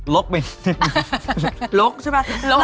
ลดไปนิดเดียวครับ